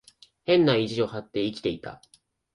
変な意地を張って生きていた。